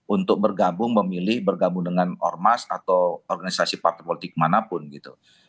untuk bergabung memilih bergabung dengan ormas atau organisasi partai politik manapun gitu